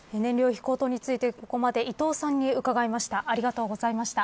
燃料費高騰についてここまで伊藤さんに伺いました。